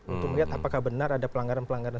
untuk melihat apakah benar ada pelanggaran pelanggaran